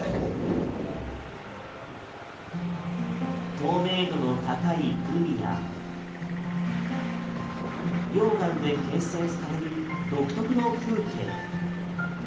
透明度の高い海や溶岩で形成される独特の風景。